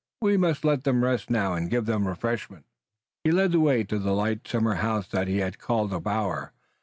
We must let them rest now and give them refreshment." He led the way to the light summer house that he had called a bower.